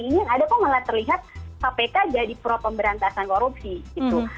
ingin ada kok malah terlihat kpk jadi pro pemberantasan korupsi gitu